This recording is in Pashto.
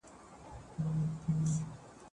زه پرون مېوې وچولې